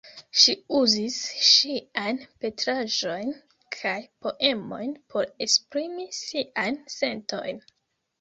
Ŝi uzis ŝiajn pentraĵojn kaj poemojn por esprimi siajn sentojn.